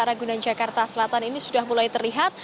ragunan jakarta selatan ini sudah mulai terlihat